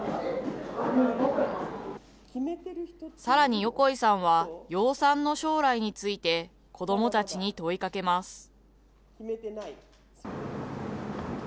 さらに横井さんは、養蚕の将来について、子どもたちに問いかけます。